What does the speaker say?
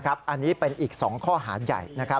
อันนี้เป็นอีก๒ข้อหาใหญ่